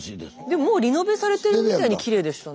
でももうリノベされてるみたいにきれいでしたね。